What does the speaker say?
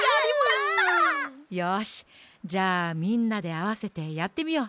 じゃあみんなであわせてやってみよう。